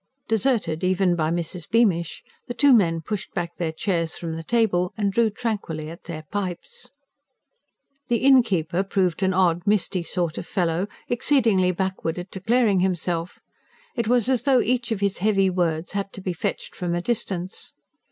Deserted even by Mrs. Beamish, the two men pushed back their chairs from the table and drew tranquilly at their pipes. The innkeeper proved an odd, misty sort of fellow, exceedingly backward at declaring himself; it was as though each of his heavy words had to be fetched from a distance.